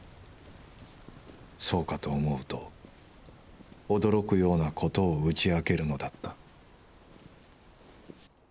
そうかと思うと驚くようなことを打ち明けるのだった